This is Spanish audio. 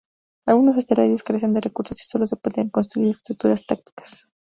Algunos asteroides carecen de recursos y solo se pueden construir estructuras tácticas.